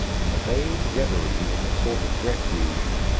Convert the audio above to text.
A vague reverie is a sort of refuge.